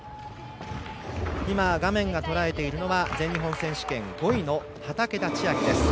画面がとらえているのは全日本選手権５位の畠田千愛です。